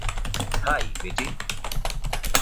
High, Beti.